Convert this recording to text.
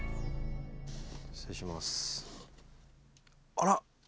あら。